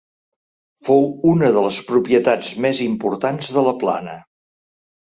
Fou una de les propietats més importants de la Plana.